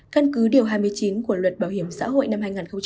căn cứ điều hai mươi chín của luật bảo hiểm xã hội năm hai nghìn một mươi